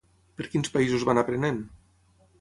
Per quins països va anar aprenent?